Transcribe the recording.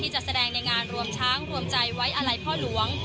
จะแสดงในงานรวมช้างรวมใจไว้อาลัยพ่อหลวง